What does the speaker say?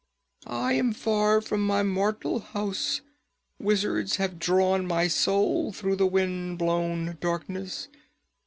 I am far from my mortal house! Wizards have drawn my soul through the wind blown darkness.